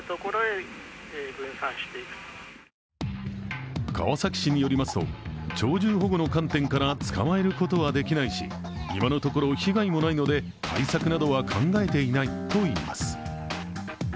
専門家は川崎市によりますと鳥獣保護の観点から捕まえることはできないし、今のところ被害もないので対策などは考えていないといいます。